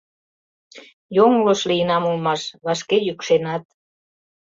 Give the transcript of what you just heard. Йоҥылыш лийынам улмаш, вашке йӱкшенат.